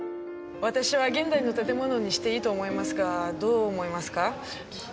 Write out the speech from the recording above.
私は現代の建物にしていいと思いますがどう思いますか？